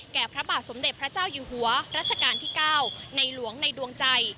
พระบาทสมเด็จพระเจ้าอยู่หัวรัชกาลที่๙ในหลวงในดวงใจ